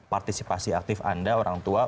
partisipasi aktif anda orang tua